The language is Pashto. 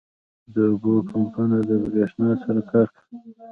• د اوبو پمپونه د برېښنا سره کار کوي.